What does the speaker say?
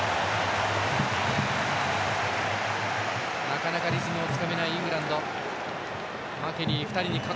なかなかリズムをつかめないイングランド。